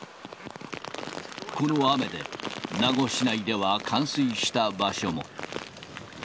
この雨で、名護市内では冠水した場所も。